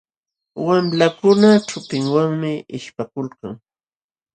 Wamlakuna chupinwanmi ishpakulkan.